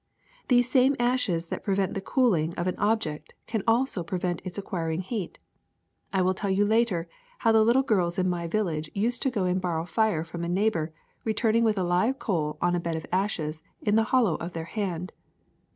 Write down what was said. ^' These same ashes that prevent the cooling of an object can also prevent its acquiring heat. I will tell you later how the little girls in my village used to go and borrow fire from a neighbor, returning with a live coal on a bed of ashes in the hollow of their hand.